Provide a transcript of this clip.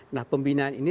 nah pembinaan ini